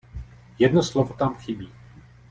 Jedno slovo tam chybí.